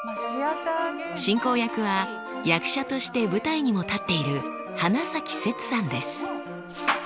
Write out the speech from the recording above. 進行役は役者として舞台にも立っている花崎攝さんです。